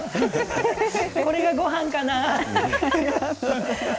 これがごはんかな。